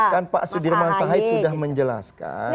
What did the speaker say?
kan pak sudirman said sudah menjelaskan